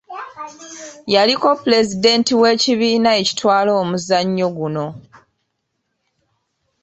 Yaliko Pulezidenti w’ekibiina ekitwala omuzannyo guno.